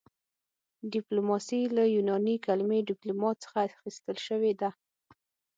ډیپلوماسي له یوناني کلمې ډیپلوما څخه اخیستل شوې ده